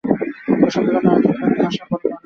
বসন্ত রায় তাড়াতাড়ি কহিলেন, খাঁ সাহেব বড়ো ভালো লোক।